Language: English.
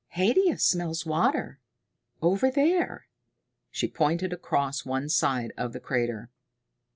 "Haidia smells water over there." She pointed across one side of the crater.